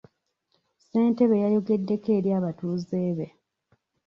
Ssentebe yayogeddeko eri abatuuze be.